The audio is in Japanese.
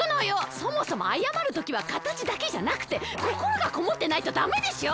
そもそもあやまるときはかたちだけじゃなくてこころがこもってないとダメでしょう！